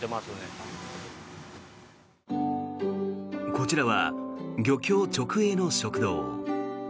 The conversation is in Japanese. こちらは漁協直営の食堂。